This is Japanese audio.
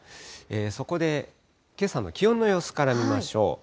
そこで、けさの気温の様子から見ましょう。